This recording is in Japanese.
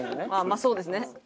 まあそうですね。